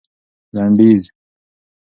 لنډيز